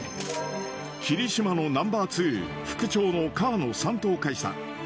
きりしまのナンバー２、副長の河埜３等海佐。